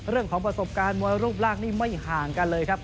เรื่องของประสบการณ์มวยรูปร่างนี่ไม่ห่างกันเลยครับ